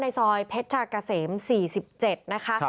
ซอยเพชรชากะเสม๔๗นะคะ